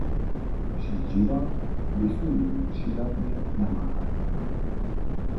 Při dźěłach běchu jón připadnje namakali.